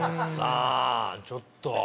あちょっと。